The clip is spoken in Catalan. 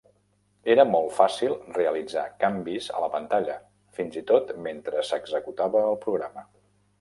Era molt fàcil realitzar canvis a la pantalla, fins i tot mentre s'executava el programa.